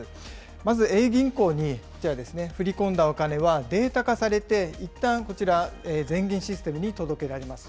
まずＡ銀行にこちらですね、振り込んだお金はデータ化されて、いったんこちら、全銀システムに届けられます。